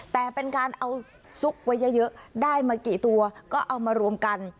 แต่เป็นการเอาซุกไว้เยอะได้มากี่ตัวก็เอามารวมกัน